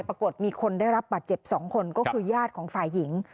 ปรากฏมีคนได้รับบาดเจ็บ๒คนก็คือญาติของฝ่ายหญิง